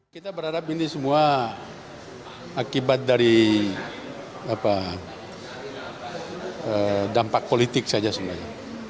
kita berharap ini semua akibat dari dampak politik saja sebenarnya